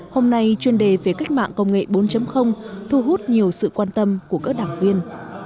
hôm nay chuyên đề về cách mạng công nghệ bốn thu hút nhiều sự quan tâm của các đảng viên